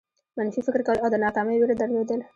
منفي فکر کول او د ناکامۍ وېره درلودل.